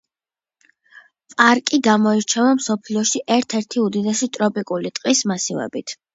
პარკი გამოირჩევა მსოფლიოში ერთ-ერთი უდიდესი ტროპიკული ტყის მასივებით.